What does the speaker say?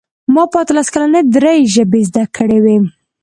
ما په اتلس کلنۍ کې درې ژبې زده کړې وې